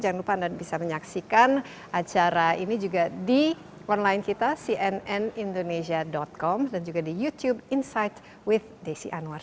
jangan lupa anda bisa menyaksikan acara ini juga di online kita cnnindonesia com dan juga di youtube insight with desi anwar